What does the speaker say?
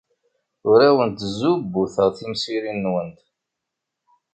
Ur awent-d-zzubuteɣ timsirin-nwent.